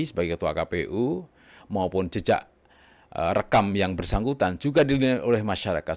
sebagai ketua kpu maupun jejak rekam yang bersangkutan juga dilihat oleh masyarakat